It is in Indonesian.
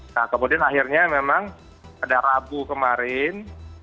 nah kemudian akhirnya memang pada rabu kemarin